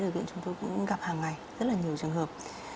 ở viện chúng tôi cũng gặp hàng ngày rất là nhiều trường hợp